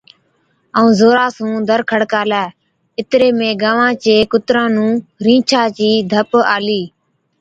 ائُون زورا سُون دَر کڙڪالَي۔ اِتري ۾ گانوان چي ڪُتران نُون رِينڇا چِي ڌپ آلِي،